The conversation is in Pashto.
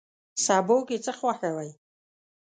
سبو کی څه خوښوئ؟